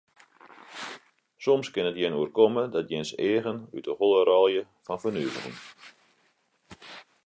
Soms kin it jin oerkomme dat jins eagen út de holle rôlje fan fernuvering.